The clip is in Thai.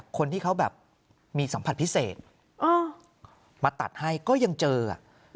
คนที่เขาแบบมีสัมผัสพิเศษมาตัดให้ก็ยังเจออ่ะ